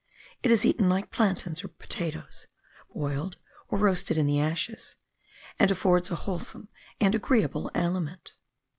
It is eaten like plantains or potatoes, boiled or roasted in the ashes, and affords a wholesome and agreeable aliment.